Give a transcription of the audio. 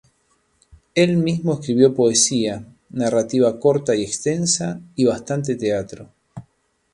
Él mismo escribió poesía, narrativa corta y extensa y bastante teatro.